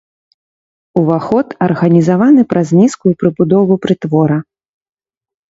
Уваход арганізаваны праз нізкую прыбудову прытвора.